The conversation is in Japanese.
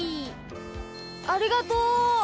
ありがとう！